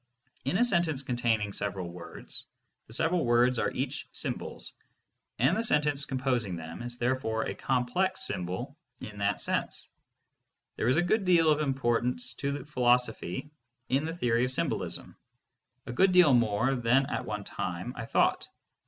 In a sentence containing several words, the several words are each symbols, and the sentence com posing them is therefore a complex symbol in that sense. There is a good deal of importance to philosophy in the theory of symbolism, a good deal more than at one time I thought.